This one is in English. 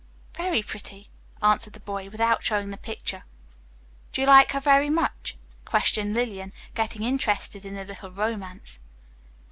"Very pretty," answered the boy, without showing the picture. "Do you like her very much?" questioned Lillian, getting interested in the little romance.